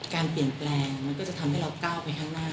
การเปลี่ยนแปลงมันก็จะทำให้เราก้าวไปข้างหน้า